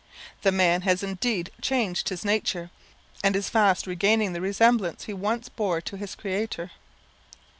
The man has indeed changed his nature, and is fast regaining the resemblance he once bore to his Creator.